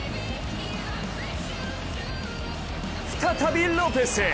再び、ロペス！